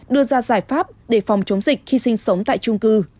đưa ra giải pháp để phòng chống dịch khi sinh sống tại trung cư